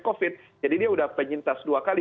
covid jadi dia udah penyintas dua kali